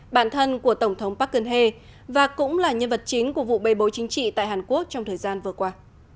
bạn thân của tổng thống park geun hye và cũng là nhân vật chính của vụ bày bối chính trị tại hàn quốc trong thời gian vừa qua